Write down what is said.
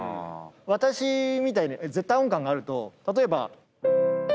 私みたいに絶対音感があると例えば。